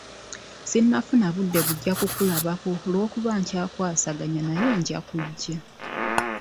Sinnafuna budde bujja kukulabako olw'okuba nkya kwasaganye naye nja kujja.